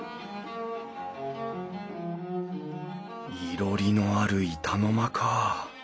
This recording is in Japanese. いろりのある板の間か。